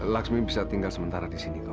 laksmi bisa tinggal sementara disini kok